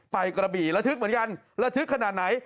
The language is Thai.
กระบี่ระทึกเหมือนกันระทึกขนาดไหน